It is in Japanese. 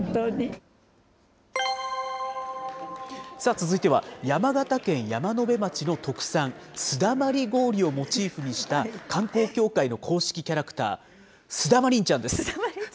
続いては山形県山辺町の特産、すだまり氷をモチーフにした観光協会の公式キャラクター、すだまりんちゃんです。